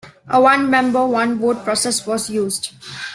A One member, one vote process was used.